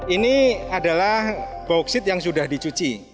ini adalah bauksit yang sudah dicuci